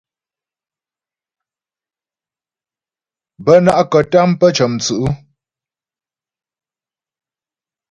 Bə́ ná'kətâm pə́ cə̌mstʉ̌'.